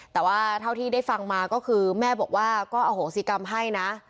แต่ว่าเท่าที่ได้ฟังมาก็คือแม่บอกว่าก็อโหสิกรรมให้นะ